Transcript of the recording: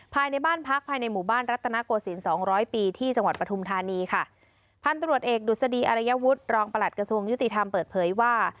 ภายในบ้านพักภายในหมู่บ้านรัตนโกศิลปสองร้อยปีที่จังหวัดปฐุมธานีค่ะพันตรวจเอกดุษฎีอารยวุฒิรองประหลัดกระทรวงยุติธรรมเปิดเผยว่า